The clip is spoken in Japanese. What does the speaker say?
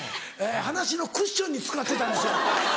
話のクッションに使ってたんですよ。